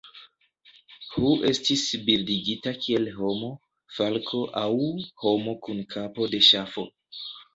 Hu estis bildigita kiel homo, falko aŭ homo kun kapo de ŝafo.